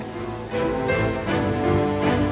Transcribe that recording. tidak ada bangsa